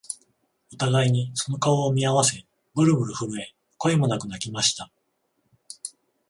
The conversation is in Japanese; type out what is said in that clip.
お互いにその顔を見合わせ、ぶるぶる震え、声もなく泣きました